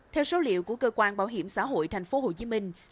theo số liệu của cơ quan bảo hiểm xã hội thành phố hồ chí minh